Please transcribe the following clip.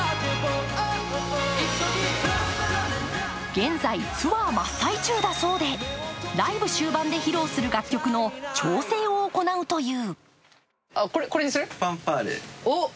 現在、ツアー真っ最中だそうでライブ終盤で披露する楽曲の調整を行うという。